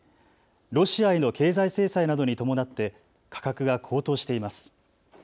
ロシアへの経済制裁などに伴って価格が高騰しています。